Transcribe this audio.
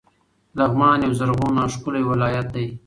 لغمان یو زرغون او ښکلی ولایت ده.